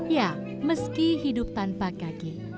ya meski hidup tanpa kaki